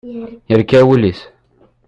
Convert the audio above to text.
Yerka wul-is.